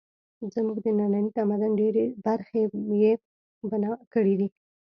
زموږ د ننني تمدن ډېرې برخې یې بنا کړې دي.